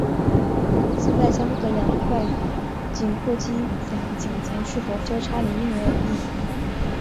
此外相对的两块颈阔肌在颈前是否交叉也因人而异。